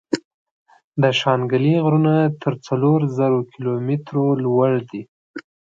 د شانګلې غرونه تر څلور زرو کلو ميتره لوړ دي ـ